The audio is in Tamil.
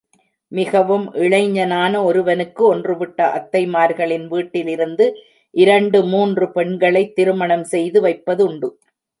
மிகவும் இளைஞனான ஒருவனுக்கு ஒன்றுவிட்ட அத்தைமார்களின் வீட்டிலிருந்து, இரண்டு மூன்று பெண்களைத் திருமணம் செய்து வைப்பதுண்டு.